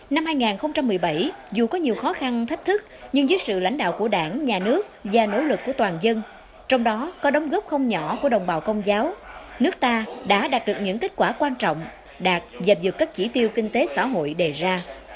năm hai nghìn một mươi bảy dù có nhiều khó khăn thách thức nhưng dưới sự lãnh đạo của đảng nhà nước và nỗ lực của toàn dân trong đó có đóng góp không nhỏ của đồng bào công giáo nước ta đã đạt được những kết quả quan trọng đạt và vượt các chỉ tiêu kinh tế xã hội đề ra